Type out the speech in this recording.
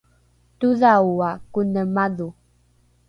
todhaoa kone madho!